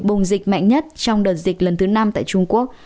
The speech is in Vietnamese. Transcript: bùng dịch mạnh nhất trong đợt dịch lần thứ năm tại trung quốc